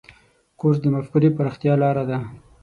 کورس د مفکورې پراختیا لاره ده.